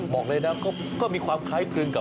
บอกเลยนะก็มีความคล้ายคลึงกับ